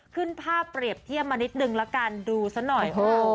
ขึ้นภาพเปรียบเทียบมานิดนึงละกันดูซะหน่อย